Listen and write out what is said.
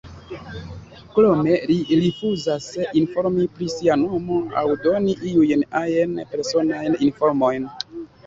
Krome, li rifuzas informi pri sia nomo aŭ doni iujn ajn personajn informojn.